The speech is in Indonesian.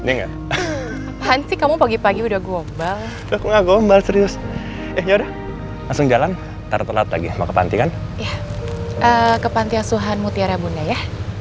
ngomong ngomong serius ya udah langsung jalan taruh lagi ke pantai suhan mutiara bunda ya